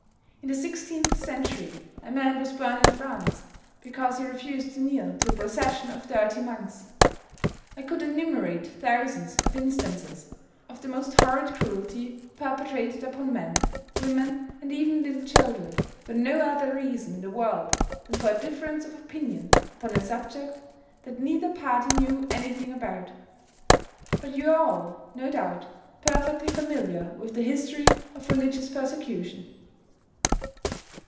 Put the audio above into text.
In the sixteenth century a man was burned in France because he refused to kneel to a procession of dirty monks. I could enumerate thousands of instances of the most horrid cruelty perpetrated upon men, women and even little children, for no other reason in the world than for a difference of opinion upon a subject that neither party knew anything about. But you are all, no doubt, perfectly familiar with the history of religious persecution.